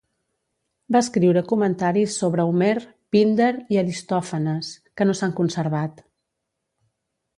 Va escriure comentaris sobre Homer, Píndar i Aristòfanes, que no s'han conservat.